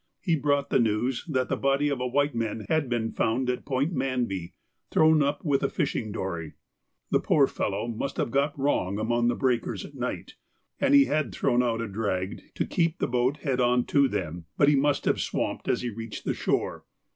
He brought the news that the body of a white man had been found at Point Manby, thrown up with a fishing dory. The poor fellow must have got among the breakers at night, and he had thrown out a drag to keep the boat head on to them, but must have swamped as he reached the shore.